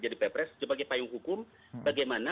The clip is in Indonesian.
jadi ppes sebagai payung hukum bagaimana